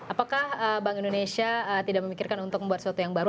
apakah bank indonesia tidak memikirkan untuk membuat sesuatu yang baru